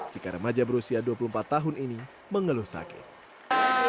jika remaja berusia dua puluh empat tahun ini mengeluh sakit